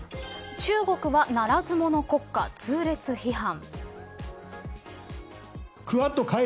中国はならず者国家痛烈批判。